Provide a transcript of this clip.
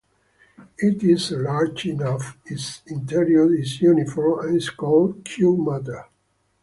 If it is large enough, its interior is uniform, and is called "Q-matter".